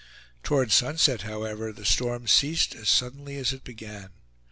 Toward sunset, however, the storm ceased as suddenly as it began.